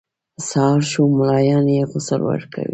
سهار شو ملایان یې غسل ورکوي.